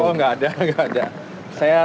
oh nggak ada nggak ada saya